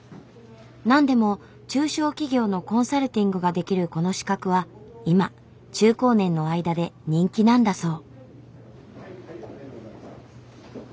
なんでも中小企業のコンサルティングができるこの資格は今中高年の間で人気なんだそう。